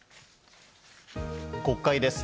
国会です。